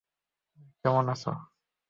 আরে, কেমন আছ?